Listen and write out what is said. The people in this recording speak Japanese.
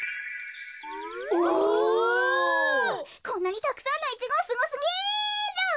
こんなにたくさんのイチゴすごすぎる。